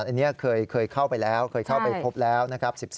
อันนี้เคยเข้าไปแล้วเคยเข้าไปพบแล้วนะครับ